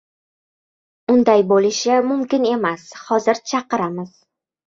— Unday bo‘lishi mumkin emas, hozir chaqiramiz.